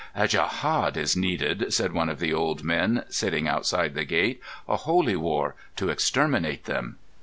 "A djehad is needed," said one of the old men sitting outside the gate—"a holy war—to exterminate them."